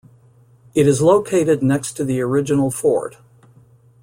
It is located next to the original fort.